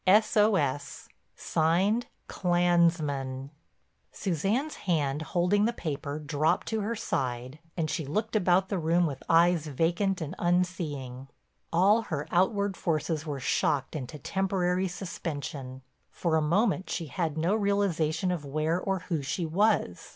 "S. O. S. "Clansmen." Suzanne's hand holding the paper dropped to her side and she looked about the room with eyes vacant and unseeing. All her outward forces were shocked into temporary suspension; for a moment she had no realization of where or who she was.